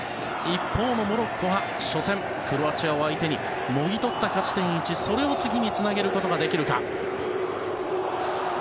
一方のモロッコは初戦、クロアチアを相手にもぎ取った勝ち点１、それを次につなげることができるか。